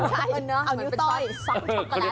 เอานิ้วต้อยซ้อมช็อคโกแลต